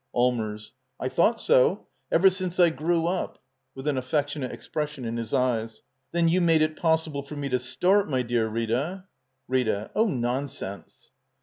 Allmers. I thought so. Ever since I grew up. [With an affectionate expression in his eyes.] Then you made it possible for me to start, my dear Rita — Rita. Oh, nonsense!